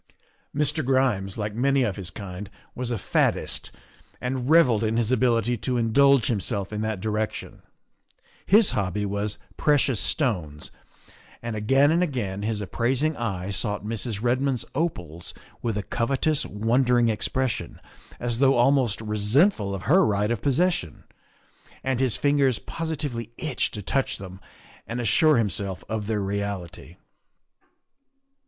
Mr. Grimes, like many of his kind, was a faddist, and revelled in his ability to indulge himself in that direc tion; his hobby was precious stones, and again and 132 THE WIFE OF again his appraising eye sought Mrs. Redmond's opals with a covetous, wondering expression, as though almost resentful of her right of possession, and his fingers positively itched to touch them and assure him self of their reality.